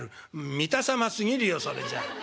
「見た様すぎるよそれじゃ。